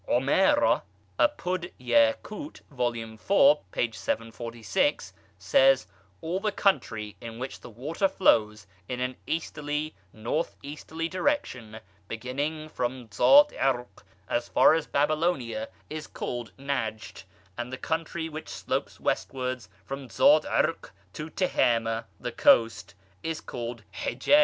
Omara apud Yacut, vol. iv. p. 746, says: All the country in which the water flows in an Easterly (North easterly) direction, beginning from Dzat Irq as far as Babylonia, is called Nejd; and the country which slopes Westwards, from Dzat Irq to Tihama (the coast), is called Hijaz.